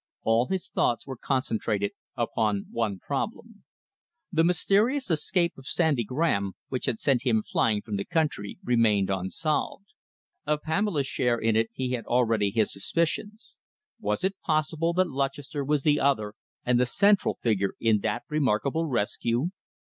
All his thoughts were concentrated upon one problem. The mysterious escape of Sandy Graham, which had sent him flying from the country, remained unsolved. Of Pamela's share in it he had already his suspicions. Was it possible that Lutchester was the other and the central figure in that remarkable rescue?